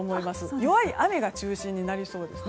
弱い雨が中心になりそうですね。